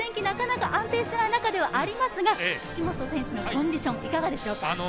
なかなか安定しない中ではありますが岸本選手のコンディションいかがでしょうか？